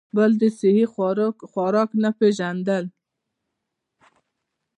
بل د سهي خوراک نۀ پېژندل ،